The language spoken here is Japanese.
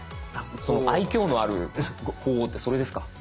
その愛きょうのある鳳凰ってそれですか？